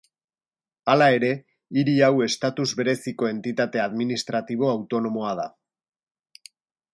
Hala ere, hiri hau estatus bereziko entitate administratibo autonomoa da.